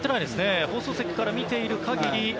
放送席から見ている限り。